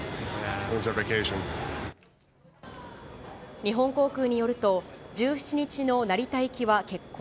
日本航空によると、１７日の成田行きは欠航。